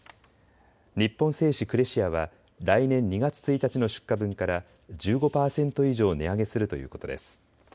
日本製紙クレシアは来年２月１日の出荷分から１５％以上、値上げするということです。